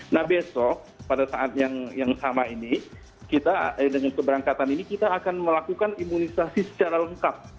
nah besok pada saat yang sama ini dengan keberangkatan ini kita akan melakukan imunisasi secara lengkap